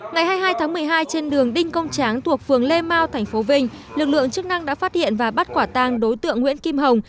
ngày hai mươi hai tháng một mươi hai trên đường đinh công tráng thuộc phường lê mau tp vinh lực lượng chức năng đã phát hiện và bắt quả tang đối tượng nguyễn kim hồng